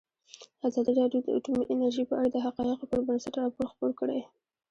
ازادي راډیو د اټومي انرژي په اړه د حقایقو پر بنسټ راپور خپور کړی.